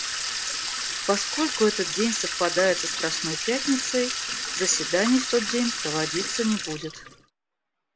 Поскольку этот день совпадает со Страстной Пятницей, заседаний в тот день проводиться не будет.